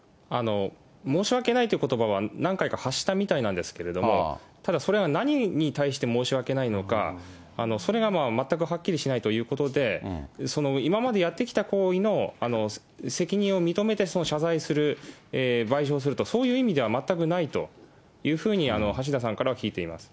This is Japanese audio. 申し訳ないということばは何回か、発したみたいなんですけど、ただそれが何に対して申し訳ないのか、それが全くはっきりしないということで、今までやってきた行為の責任を認めて謝罪する、賠償すると、そういう意味では全くないというふうに、橋田さんからは聞いています。